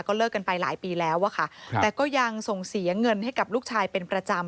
เลิกกันไปหลายปีแล้วอะค่ะแต่ก็ยังส่งเสียเงินให้กับลูกชายเป็นประจำ